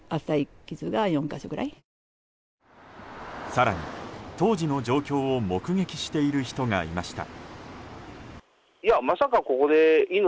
更に、当時の状況を目撃している人がいました。